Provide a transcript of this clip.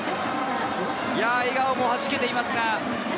笑顔もはじけています。